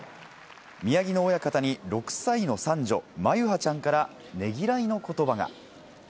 宮城野親方に６歳の三女、眞結羽ちゃんからねぎらいのことばが。